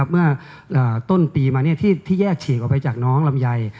เมื่อต้นปีมาที่แยกฉีกออกไปจากน้องลำไย